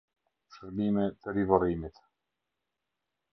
Sherbime te rivorrimit